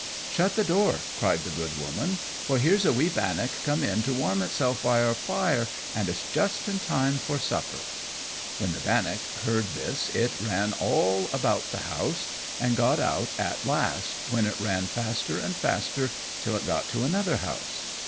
"Shut the door," cried the good woman, "for here's a wee bannock come in to warm itself by our fire, and it's just in time for supper." When the bannock heard this it ran all about the house, and got out at last, when it ran faster and faster till it got to another house.